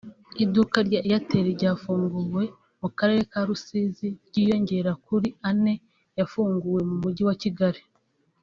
Iduka rya Airtel ryafunguwe mu karere ka Rusizi ryiyongerakuri ane yafunguwe mu mujyi wa Kigali